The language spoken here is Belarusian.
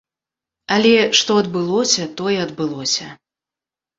Але, што адбылося, тое адбылося.